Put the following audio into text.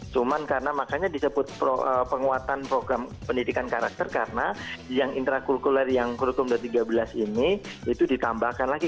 cuma karena makanya disebut penguatan program pendidikan karakter karena yang intrakulkuler yang kurikulum dua ribu tiga belas ini itu ditambahkan lagi